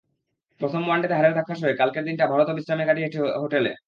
প্রথম ওয়ানডেতে হারের ধাক্কা সয়ে কালকের দিনটা ভারতও বিশ্রামে কাটিয়েছে হোটেলে।